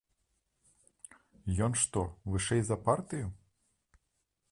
Ён што, вышэй за партыю?